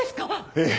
ええ。